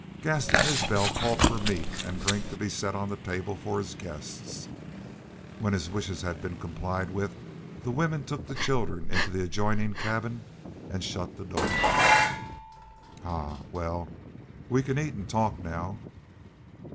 Gaston Isbel called for meat and drink to be set on the table for his guests. When his wishes had been complied with the women took the children into the adjoining cabin and shut the door. "Hah! Wal, we can eat an' talk now."